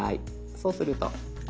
そうすると。